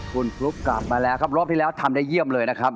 คุณฟลุ๊กกลับมาแล้วครับรอบที่แล้วทำได้เยี่ยมเลยนะครับ